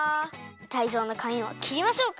タイゾウのかみもきりましょうか？